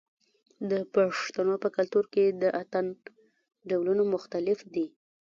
د پښتنو په کلتور کې د اتن ډولونه مختلف دي.